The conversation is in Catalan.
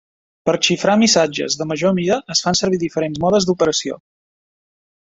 Per xifrar missatges de major mida es fan servir diferents modes d'operació.